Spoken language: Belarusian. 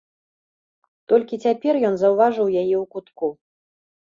Толькі цяпер ён заўважыў яе ў кутку.